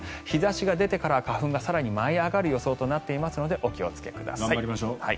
日差しが出てから更に花粉が舞い上がる予想となっていますのでお気をつけください。